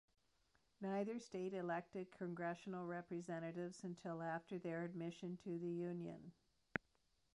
Neither state elected congressional representatives until after their admission to the union.